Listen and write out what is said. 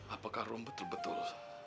apakah rum betul betul